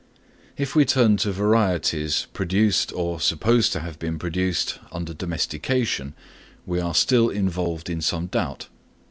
If we turn to varieties, produced, or supposed to have been produced, under domestication, we are still involved in some doubt.